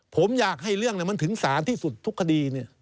ผมอยากให้เรื่องมันถึงสารที่สุดทุกคดี